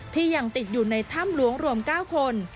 ที่ยังติดอยู่ในถ้ำหลวงรวม๙คน